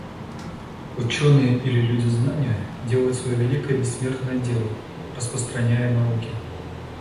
Ученые или люди знания делают свое великое бессмертное дело, распространяя науки.